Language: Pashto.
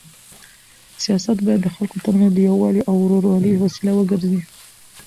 سیاست باید د خلکو تر منځ د یووالي او ورورولۍ وسیله وګرځي.